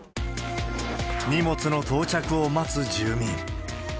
荷物の到着を待つ住民。